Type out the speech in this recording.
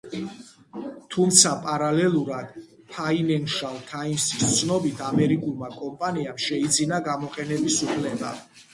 თუმცა, პარალელურად, „ფაინენშალ თაიმსის“ ცნობით, ამერიკულმა კომპანიამ შეიძინა გამოყენების უფლება.